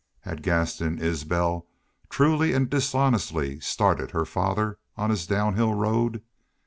Had Gaston Isbel truly and dishonestly started her father on his downhill road?